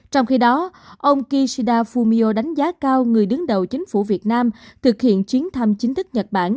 trong khi đó ông kishida fumio đánh giá cao người đứng đầu chính phủ việt nam thực hiện chuyến thăm chính thức nhật bản